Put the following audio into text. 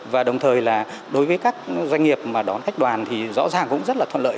và đồng thời là đối với các doanh nghiệp mà đón khách đoàn thì rõ ràng cũng rất là thuận lợi